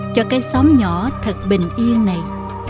cho cái xóm nhỏ thật bình yên này